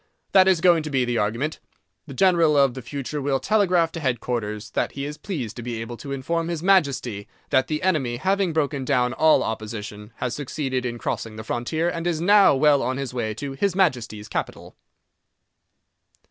That is going to be the argument. The general of the future will telegraph to headquarters that he is pleased to be able to inform His Majesty that the enemy, having broken down all opposition, has succeeded in crossing the frontier and is now well on his way to His Majesty's capital.